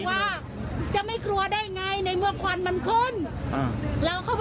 สวยชีวิตทั้งคู่ก็ออกมาไม่ได้อีกเลยครับ